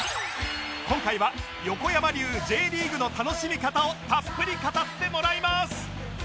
今回は横山流 Ｊ リーグの楽しみ方をたっぷり語ってもらいます！